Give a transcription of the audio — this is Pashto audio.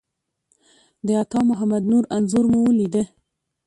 د عطامحمد نور انځور مو ولیده.